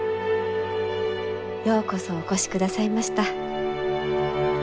ようこそお越しくださいました。